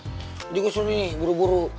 jadi gua suruh nih buru buru